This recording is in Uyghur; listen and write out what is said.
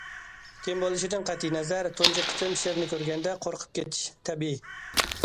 كىم بولۇشىدىن قەتئىينەزەر تۇنجى قېتىم شىرنى كۆرگەندە قورقۇپ كېتىش تەبىئىي.